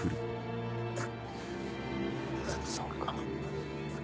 そうか。